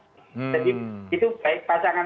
jadi itu baik pasangan